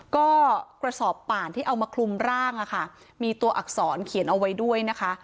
ก็กระสอบป่านที่เอามาคลุมร่างอะค่ะมีตัวอักษรเขียนเอาไว้ด้วยนะคะ